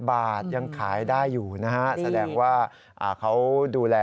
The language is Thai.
๘บาทยังขายได้อยู่นะฮะ